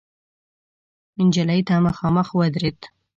نجلۍ ته مخامخ ودرېد.